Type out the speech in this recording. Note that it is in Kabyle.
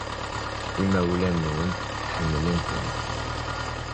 Imawlan-nwent ḥemmlen-ten.